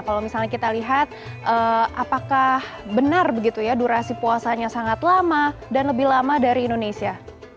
kalau misalnya kita lihat apakah benar begitu ya durasi puasanya sangat lama dan lebih lama dari indonesia